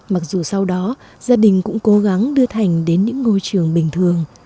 mặc dù sau đó gia đình cũng cố gắng đưa thành đến những ngôi trường bình thường